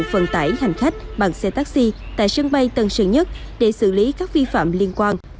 vận tải hành khách bằng xe taxi tại sân bay tân sơn nhất để xử lý các vi phạm liên quan